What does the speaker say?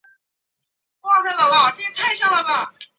糙臭草为禾本科臭草属下的一个种。